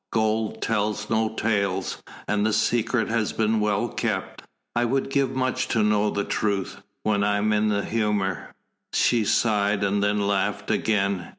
Gold tells no tales, and the secret has been well kept. I would give much to know the truth when I am in the humour." She sighed, and then laughed again.